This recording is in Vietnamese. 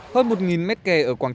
hơn một mét kè